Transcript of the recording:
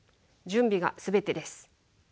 準備が全てです。